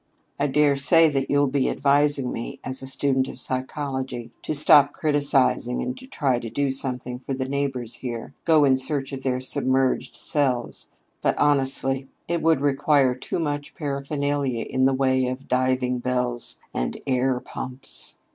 "I dare say that you'll be advising me, as a student of psychology, to stop criticizing and to try to do something for the neighbors here go in search of their submerged selves. But, honestly, it would require too much paraphernalia in the way of diving bells and air pumps.